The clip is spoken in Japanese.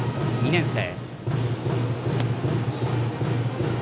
２年生。